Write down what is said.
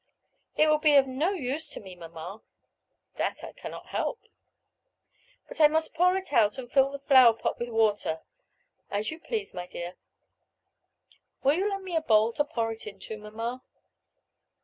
"It will be of no use to me, mamma." "That I cannot help." "But I must pour it out, and fill the flower pot with water." "As you please, my dear." "Will you lend me a bowl to pour it into, mamma?"